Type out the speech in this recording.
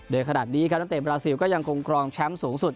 โดยขนาดนี้ครับนักเตะบราซิลก็ยังคงครองแชมป์สูงสุด